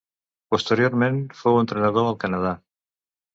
Posteriorment fou entrenador al Canadà.